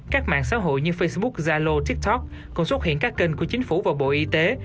các mạng xã hội như facebook zalo tiktok còn xuất hiện các kênh của chính phủ và bộ y tế